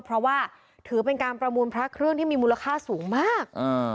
เพราะว่าถือเป็นการประมูลพระเครื่องที่มีมูลค่าสูงมาก